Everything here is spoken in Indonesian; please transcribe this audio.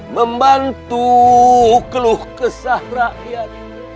membantu keluh kesah rakyat